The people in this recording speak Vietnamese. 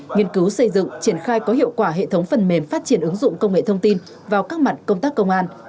nghiên cứu xây dựng triển khai có hiệu quả hệ thống phần mềm phát triển ứng dụng công nghệ thông tin vào các mặt công tác công an